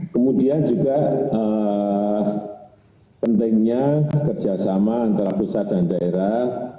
kemudian juga pentingnya kerjasama antara pusat dan daerah